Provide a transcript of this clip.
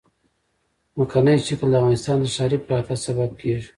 ځمکنی شکل د افغانستان د ښاري پراختیا سبب کېږي.